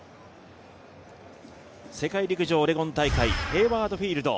世界陸上オレゴン大会、ヘイワード・フィールド。